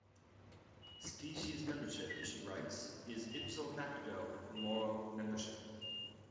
Species membership, she writes, is "ipso facto" moral membership.